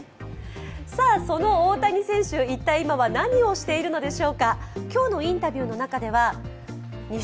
その大谷選手、一体今は何をしているでしょうか。